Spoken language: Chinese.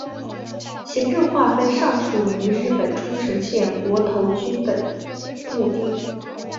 行政划分上属于日本冲绳县国头郡本部町。